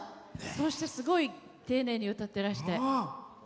そしてすごい丁寧に歌ってらして。